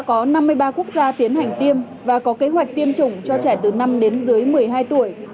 hiện nay trên thế giới đã có năm mươi ba quốc gia tiến hành tiêm và có kế hoạch tiêm chủng cho trẻ từ năm đến một mươi hai tuổi